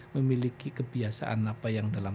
memiliki kebiasaan apa yang dalam